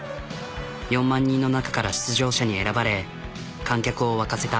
４万人の中から出場者に選ばれ観客を沸かせた。